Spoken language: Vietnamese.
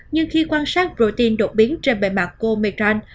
nhưng khi quan sát protein đột biến trên bề mặt của omicron